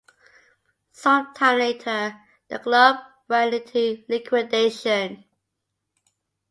Some time later the club went into liquidation.